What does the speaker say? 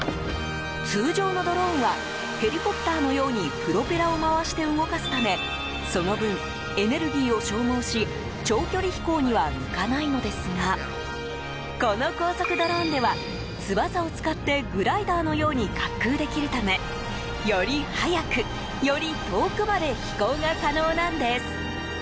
通常のドローンはヘリコプターのようにプロペラを回して動かすためその分、エネルギーを消耗し長距離飛行には向かないのですがこの高速ドローンでは翼を使ってグライダーのように滑空できるためより速く、より遠くまで飛行が可能なんです。